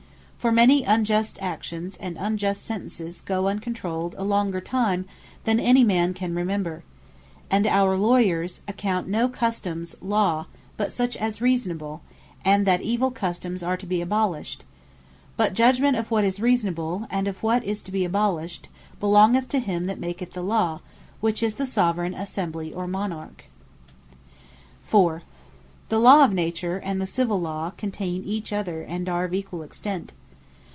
For many unjust Actions, and unjust Sentences, go uncontrolled a longer time, than any man can remember. And our Lawyers account no Customes Law, but such as are reasonable, and that evill Customes are to be abolished; But the Judgement of what is reasonable, and of what is to be abolished, belongeth to him that maketh the Law, which is the Soveraign Assembly, or Monarch. The Law Of Nature, And The Civill Law Contain Each Other 4. The Law of Nature, and the Civill Law, contain each other, and are of equall extent.